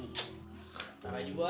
ntar aja gua